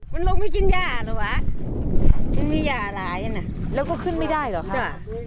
มันลงไม่กินยากหรอวะมียากร้ายน่ะแล้วก็ขึ้นไม่ได้หรอคะ